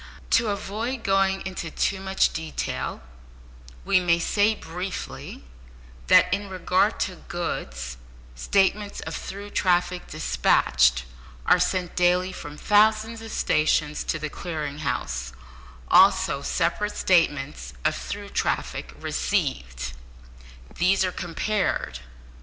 To avoid going too much into detail, we may say, briefly, that in regard to goods, statements of through traffic despatched are sent daily from thousands of stations to the Clearing House, also separate statements of through traffic received. These are compared.